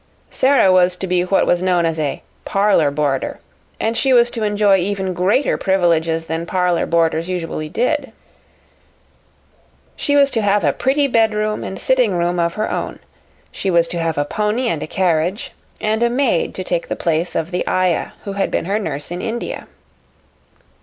Sara was to be what was known as "a parlor boarder," and she was to enjoy even greater privileges than parlor boarders usually did. She was to have a pretty bedroom and sitting room of her own; she was to have a pony and a carriage, and a maid to take the place of the ayah who had been her nurse in India.